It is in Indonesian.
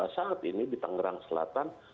saat ini di tangerang selatan